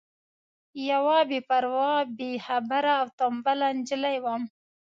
یوه بې پروا بې خبره او تنبله نجلۍ وم.